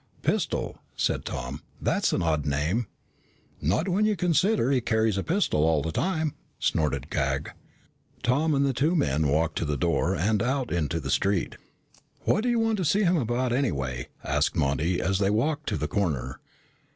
"Pistol," said Tom. "That's an odd name." "Not when you consider he carries a pistol all the time," snorted Cag. Tom and the two men walked to the door and out into the street. "What do you want to see him about, anyway?" asked Monty, as they walked to the corner.